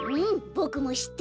ボクもしってる！